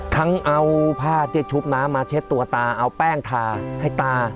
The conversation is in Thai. ทั้งเอาผ้าเตี๊ดชุบมาเช็ดตัวตาเอาแป้งถาให้ตา